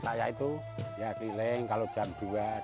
kebetulan untuk bisa mendapatkan pelan kualitas teratstree